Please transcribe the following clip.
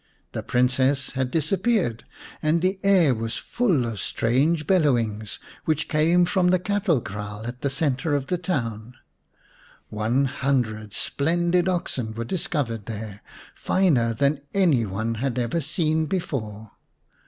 The Princess had disappeared and the air was full of strange bellowings, which came from the cattle kraal in the centre of the town. One hundred splendid oxen were discovered there, finer than any one had ever seen before.